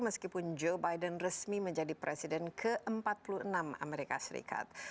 meskipun joe biden resmi menjadi presiden ke empat puluh enam amerika serikat